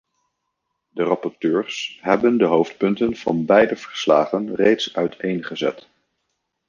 De rapporteurs hebben de hoofdpunten van beide verslagen reeds uiteengezet.